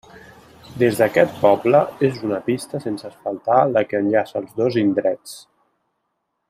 Des d'aquest poble és una pista sense asfaltar la que enllaça els dos indrets.